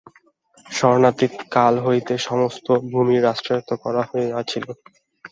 স্মরণাতীত কাল হইতে সমস্ত ভূমি রাষ্ট্রায়ত্ত করা হইয়াছিল।